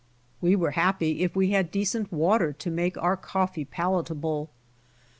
We were happy if we had decent water to niiake our coffee pal atable.